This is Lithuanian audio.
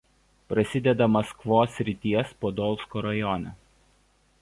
Prasideda Maskvos srities Podolsko rajone.